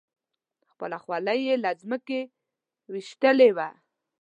خپله خولۍ یې له ځمکې ویشتلې وه.